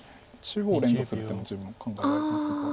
中央連打する手も十分考えられますが。